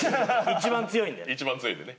一番強いんでね。